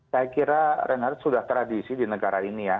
saya kira reinhardt sudah tradisi di negara ini ya